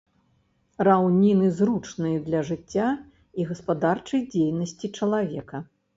Раўніны зручныя для жыцця і гаспадарчай дзейнасці чалавека.